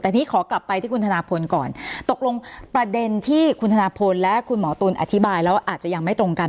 แต่ทีนี้ขอกลับไปที่คุณธนาพลก่อนตกลงประเด็นที่คุณธนพลและคุณหมอตุ๋นอธิบายแล้วอาจจะยังไม่ตรงกัน